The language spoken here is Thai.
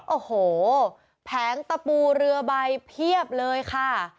โอ้โหแผงตะปูเรือใบเพียบเลยค่ะ